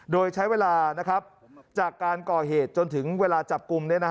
โดยใช้เวลาจากการก่อเหตุจนถึงเวลาจับกลุ่ม